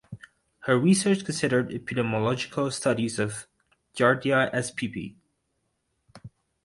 Her research considered epidemiological studies of "Giardia spp".